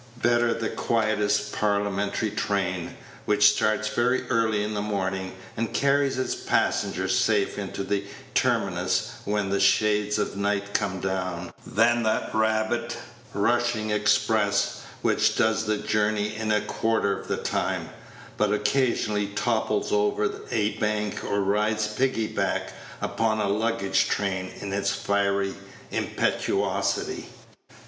Better the quietest parliamentary train, which starts very early in the morning, and carries its passengers safe into the terminus when the shades of night come down, than that rabid, rushing express, which does the journey in a quarter of the time, but occasionally topples over a bank, or rides pickaback upon a luggage train in its fiery impetuosity.